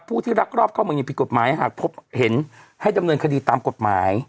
ผู้ที่รักรอบเข้าเมือง๒๐๓๐กฟหากเห็นให้ดำเนินคดีตามกฎหมาย